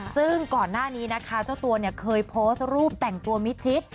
ซึ่งก่อนหน้านี้เจ้าตัวเคยโพสต์รูปแต่งตัวมิทิศ